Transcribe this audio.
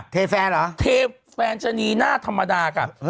แฟนเหรอเทแฟนชะนีหน้าธรรมดาค่ะ